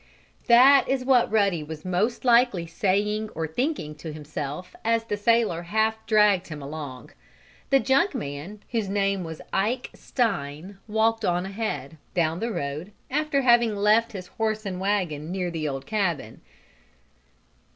That is what Ruddy was most likely saying or thinking to himself as the sailor half dragged him along. The junk man, whose name was Ike Stein, walked on ahead, down the road, after having left his horse and wagon near the old cabin.